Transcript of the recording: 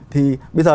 thì bây giờ